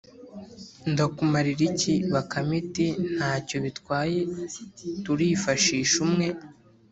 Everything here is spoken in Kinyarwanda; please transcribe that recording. ndakumarira iki? “Bakame iti:” Nta cyo bitwaye, turifashisha umwe